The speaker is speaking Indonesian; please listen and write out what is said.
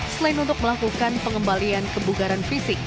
selain untuk melakukan pengembalian kebugaran fisik